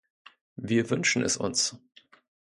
Wir wünschen es uns.